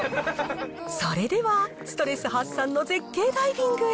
それでは、ストレス発散の絶景ダイビングへ。